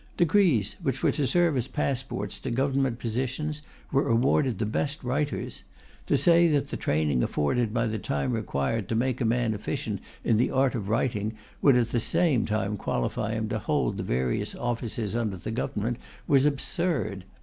Degrees, which were to serve as passports to Government positions, were awarded the best writers. To say that the training afforded by the time required to make a man efficient in the art of such writing, would at the same time qualify him to hold the various offices under the Government, was absurd.